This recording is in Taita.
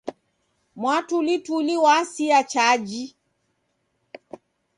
Mwatulituli w'asia chaji.